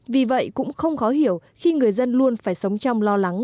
vì vậy cũng không khó hiểu khi người dân luôn phải sống trong lo lắng